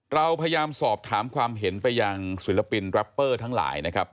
เราพยายามสอบถามความเห็นไปยังศิลปินรัปเปอร์ทั้งหลายนะครับ